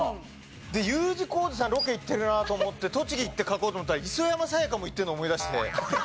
でＵ字工事さんロケ行ってるなと思って「栃木」って書こうと思ったら磯山さやかも行ってるのを思い出して。